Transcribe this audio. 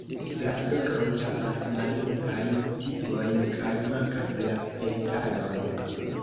La floroj havas mallongajn tigojn kaj mankas la petaloj.